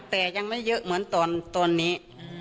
แต่ยังไม่เยอะเหมือนตอนนี้